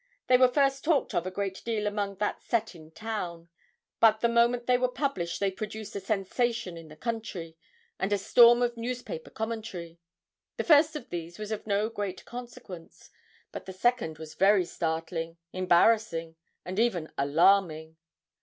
They were first talked of a great deal among that set in town; but the moment they were published they produced a sensation in the country, and a storm of newspaper commentary. The first of these was of no great consequence, but the second was very startling, embarrassing, and even alarming.'